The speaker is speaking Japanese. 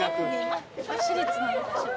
私立なのかしら。